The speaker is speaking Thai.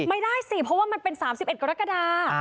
ไม่ได้สิเพราะว่ามันเป็น๓๑กรกฎา